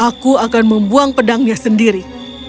aku akan membuang pedangnya sendiri